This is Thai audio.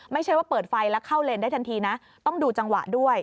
ไม่ใช่ว่าเปิดไฟแล้วเข้าเลนได้ทันทีนะต้องดูจังหวะด้วย